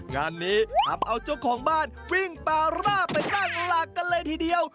งานนี้ทำเอาเจ้าของบ้านวิ่งปาร่าไปตั้งหลักกันเลยทีเดียว